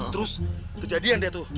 terus kejadian dia tuh